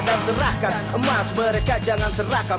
dan serahkan emas mereka jangan serahkan